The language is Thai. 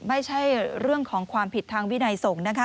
ไม่ใช่เรื่องของความผิดทางวินัยสงฆ์นะคะ